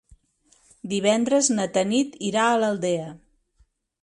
Divendres na Tanit irà a l'Aldea.